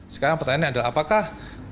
sekarang pertanyaannya adalah apakah